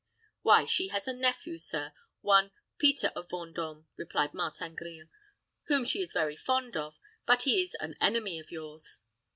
"Why, she has a nephew, sir, one Peter of Vendôme," replied Martin Grille, "whom she is very fond of; but he is an enemy of yours."